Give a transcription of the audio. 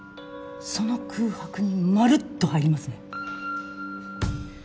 その空白にまるっと入りますね。